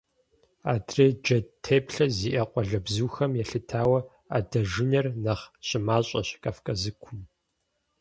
Адрей джэд теплъэ зиӀэ къуалэбзухэм елъытауэ адэжынэр нэхъ щымащӀэщ Кавказыкум.